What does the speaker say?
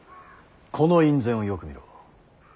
この院宣をよく見ろ。